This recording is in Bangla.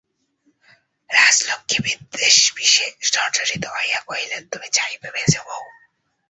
রাজলক্ষ্মী বিদ্বেষবিষে জর্জরিত হইয়া কহিলেন, তুমি যাইবে মেজোবউ?